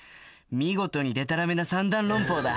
見事にでたらめな三段論法だ。